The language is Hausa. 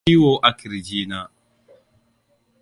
Ina jin ciwo a kirji na.